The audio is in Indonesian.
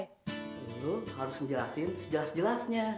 tentu harus ngejelasin sejelas jelasnya